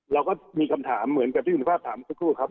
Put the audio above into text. เราก็มีคำถามเหมือนกับที่คุณภาพถามสักครู่ครับ